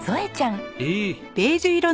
ええ。